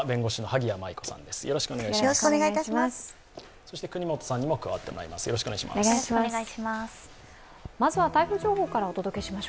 そして、國本さんにも加わっていただきます。